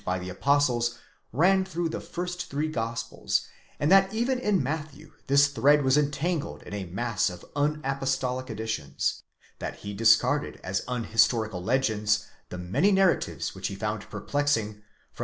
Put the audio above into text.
by the Apostles ran through the three first Gospels, and that even in Matthew this thread was entangled in a mass of unapostolic additions, that he discarded: as unhistorical legends, the many narratives which he found perplexing, from.